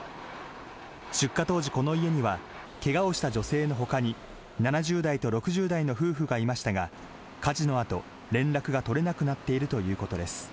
出火当時、この家にはけがをした女性のほかに、７０代と６０代の夫婦がいましたが、火事のあと、連絡が取れなくなっているということです。